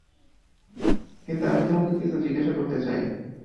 কিন্তু আমি তোমাকে কিছু জিজ্ঞাসা করতে চাই।